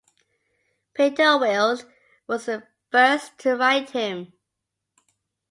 Peter Wylde was the first to ride him.